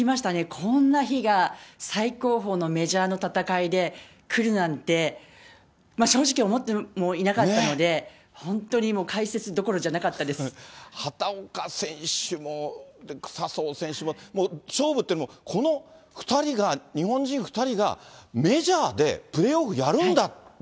こんな日が最高峰のメジャーの戦いで、くるなんて、まあ正直思ってもいなかったので、本当にもう、畑岡選手も笹生選手も、もう勝負というよりも、この２人が、日本人２人が、メジャーでプレーオフやるんだって。